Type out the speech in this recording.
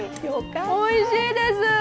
おいしいです！